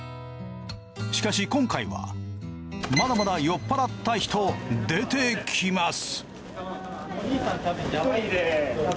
しかし今回はまだまだ酔っ払った人出てきます。